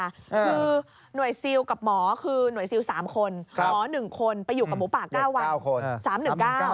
คือหน่วยซิลกับหมอคือหน่วยซิล๓คนหมอ๑คนไปอยู่กับหมูป่า๙วัน